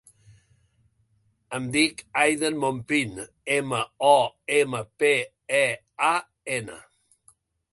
Em dic Aiden Mompean: ema, o, ema, pe, e, a, ena.